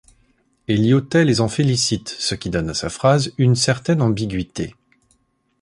Et Lyautey les en félicite, ce qui donne à sa phrase une certaine ambiguïté.